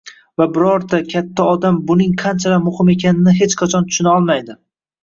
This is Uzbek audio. Va birorta katta odam buning qanchalar muhim ekanini hech qachon tushuna olmaydi!